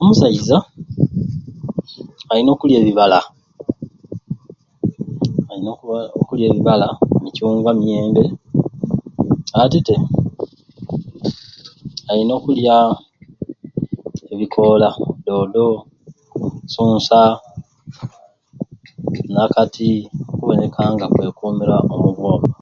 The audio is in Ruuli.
Omusaiza ayina okulya ebibala ayina oko okula ebibalanka emirembe ate ayina okulya ebikoola nka doodo ssunsa nakati naboneka nga akwekumira omu bwomi